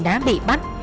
đã bị bắt